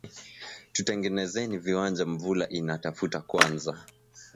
Tutengenezeni viwanja Mvula ina tafuta kwanza